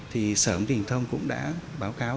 thì sở thông tin và truyền thông cũng đã báo cáo